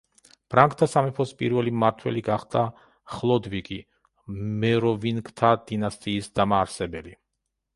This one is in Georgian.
ფრანკთა სამეფოს პირველი მმართველი გახდა ხლოდვიგი, მეროვინგთა დინასტიის დამაარსებელი.